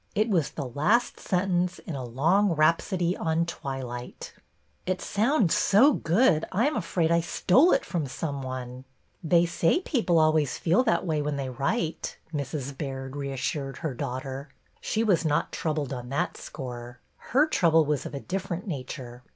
It was the last sentence in a long rhapsody on " Twilight." " It sounds so good I am afraid I stole it from some one." «MY MOTHER'S JOURNAL" 21 They say people always feel that way when they write," Mrs. Baird reassured her daughter. She was not troubled on that score; her trouble was of a different nature.